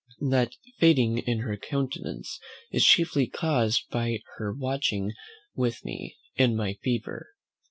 That fading in her countenance is chiefly caused by her watching with me, in my fever.